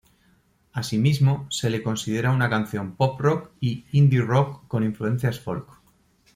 Asimismo, se la considera una canción pop rock y indie rock, con influencias folk.